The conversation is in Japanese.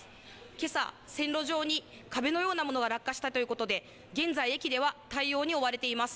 けさ線路上に壁のようなものが落下したということで現在、駅では対応に追われています。